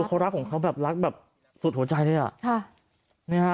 เขารักของเขาแบบรักแบบสุดหัวใจเลยอ่ะค่ะ